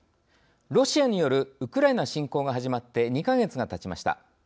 ロシアによるウクライナ侵攻が始まって２か月がたちました。